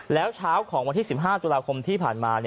แล้วเช้าของวันที่๑๕ตุลาคมที่ผ่านมา